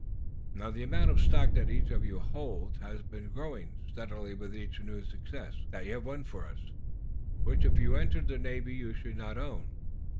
Now, the amount of stock that each of you holds has been growing steadily with each new success that you have won for us, which if you enter the Navy you should not own.